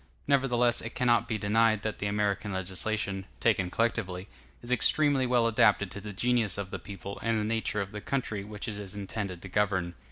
Nevertheless, it cannot be denied that the American legislation, taken collectively, is extremely well adapted to the genius of the people and the nature of the country which it is intended to govern.